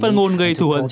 và có thể gây thù hận